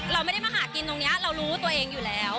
เราไม่ได้มาหากินตรงนี้เรารู้ตัวเองอยู่แล้ว